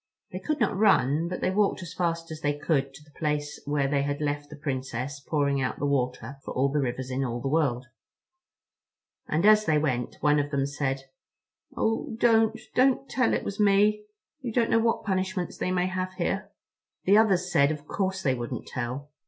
They could not run, but they walked as fast as they could to the place where they had left the Princess pouring out the water for all the rivers in all the world. And as they went, one of them said, "Oh don't, don't tell it was me. You don't know what punishments they may have here." The others said of course they wouldn't tell.